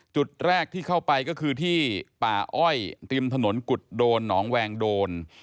จุดแรกที่เข้าไปก็คือที่ป่าอ้อยริมถนนกุฎโดนหนองแวงโดน